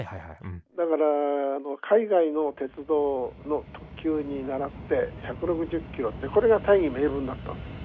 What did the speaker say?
だから海外の鉄道の特急に倣って１６０キロってこれが大義名分だった。